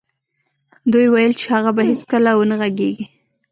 دوی ویل چې هغه به هېڅکله و نه غږېږي